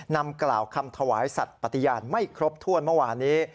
นำกล่าวคำถวายสัตว์ปฏิญาณไม่ครบถ้วนเมื่อวานี้